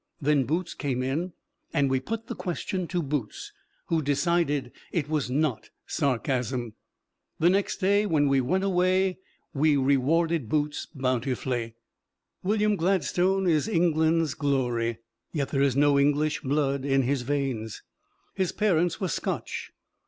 Then Boots came in, and we put the question to Boots, who decided it was not sarcasm. The next day, when we went away, we rewarded Boots bountifully. William Gladstone is England's glory. Yet there is no English blood in his veins; his parents were Scotch.